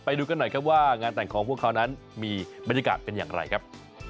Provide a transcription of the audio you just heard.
ไปดูกันหน่อยครับว่างานแต่งของพวกเขานั้นมีบรรยากาศเป็นอย่างไรครับ